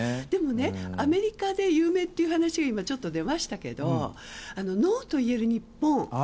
でも、アメリカで有名という話が出ましたけどノーと言える日本